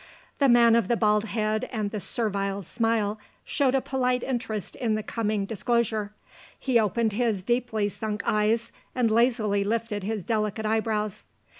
The man of the bald head and the servile smile showed a polite interest in the coming disclosure; he opened his deeply sunk eyes, and lazily lifted his delicate eyebrows.